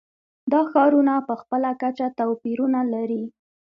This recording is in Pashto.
دا ښارونه په خپله کچه توپیرونه لري.